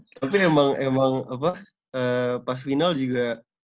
tapi emang apa pas final juga